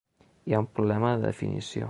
Hi ha un problema de definició.